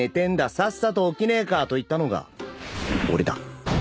さっさと起きねえか！」と言ったのが俺だ